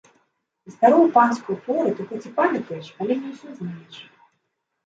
І старую панскую пору ты хоць і памятаеш, але не ўсё знаеш.